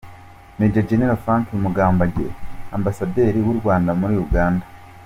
Maj Gen Frank Mugambage, Ambasaderi w’u Rwanda muri Uganda